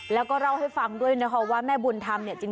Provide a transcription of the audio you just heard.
แล้วก็เล่าให้ฟังด้วยนะคะว่าแม่บุญธรรมเนี่ยจริง